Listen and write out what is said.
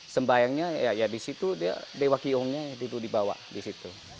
sembayangnya ya di situ dia dewa kiongnya itu dibawa di situ